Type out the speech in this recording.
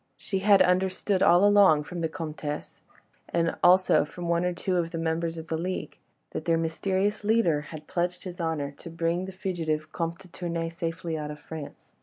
She had understood all along from the Comtesse, and also from one or two of the members of the league, that their mysterious leader had pledged his honour to bring the fugitive Comte de Tournay safely out of France.